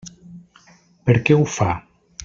Per què ho fa?